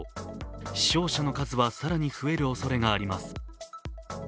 死傷者の数は更に増えるおそれがあります。